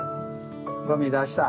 ごみ出した？